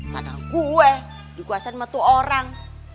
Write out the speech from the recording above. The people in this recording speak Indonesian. tadang gue dikuasai matu orang